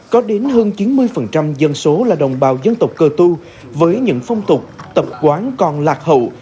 có đến hơn chín mươi dân số là đồng bào dân tộc cơ tu với những phong tục tập quán còn lạc hậu